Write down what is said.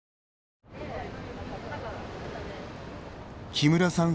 木村さん